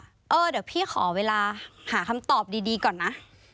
เดี๋ยวพี่ขอเวลาหาคำตอบดีก่อนนะ